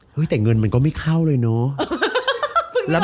แต่เงินมันก็ไม่เข้าเลยเนาะ